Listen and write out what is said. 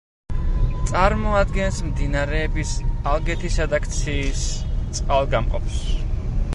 წარმოადგენს მდინარეების ალგეთისა და ქციის წყალგამყოფს.